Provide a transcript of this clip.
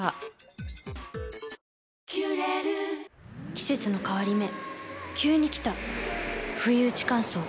季節の変わり目急に来たふいうち乾燥。